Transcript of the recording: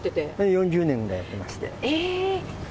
４０年ぐらいやっていまして。